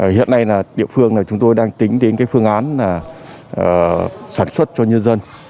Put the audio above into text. hiện nay là địa phương chúng tôi đang tính đến phương án sản xuất cho nhân dân